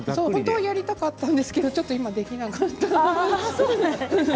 本当はやりたかったんですけど今ちょっとできなかった。